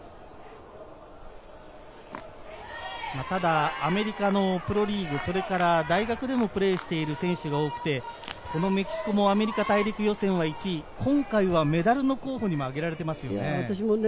ただアメリカのプロリーグ、大学でもプレーしている選手が多くて、アメリカ大陸予選は１位、今回はメダルの候補にも挙げられていますね。